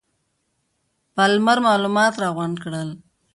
پالمر معلومات راغونډ کړل.